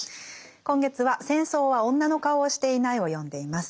今月は「戦争は女の顔をしていない」を読んでいます。